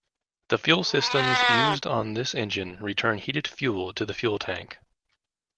The fuel systems used on this engine return heated fuel to the fuel tank.